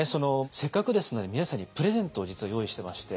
せっかくですので皆さんにプレゼントを実は用意してまして。